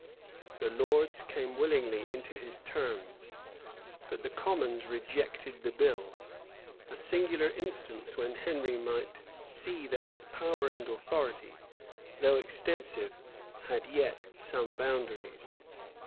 The lords came willingly into his terms; but the commons rejected the bill; a singular instance, where Henry might see that his power and authority, though extensive, had yet some boundaries.